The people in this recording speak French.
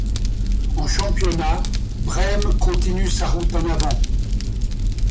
En championnat, Brême continue sa route en avant.